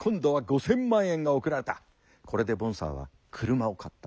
これでボンサーは車を買った。